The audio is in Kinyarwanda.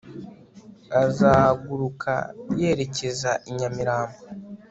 Azahaguruka yerekeza I nyamirambo